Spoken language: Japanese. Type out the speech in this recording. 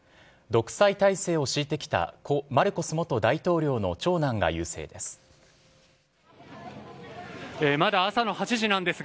独裁体制を敷いてきた、故・マルコス元大統領の長男が優勢です。